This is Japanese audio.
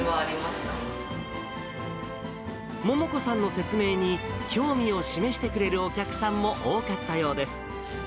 桃子さんの説明に、興味を示してくれるお客さんも多かったようです。